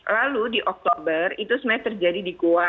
lalu di oktober itu sebenarnya terjadi di goa